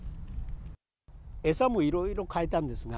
餌もいろいろ変えたんですが。